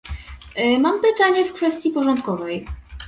Mam pytanie w kwestii porządkowej